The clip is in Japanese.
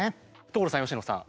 所さん佳乃さん。